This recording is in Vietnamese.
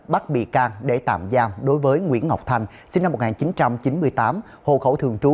bắt bị can để tạm giam đối với nguyễn ngọc thanh sinh năm một nghìn chín trăm chín mươi tám hồ khẩu thường trú